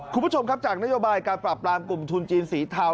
คุณผู้ชมครับจากนโยบายการปรับปรามกลุ่มทุนจีนสีเทา